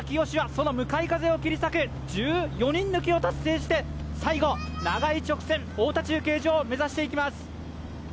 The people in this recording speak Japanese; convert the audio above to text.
紫はその向かい風を切り裂く１４人抜きを達成して最後、長い直線、太田中継所を目指していきます。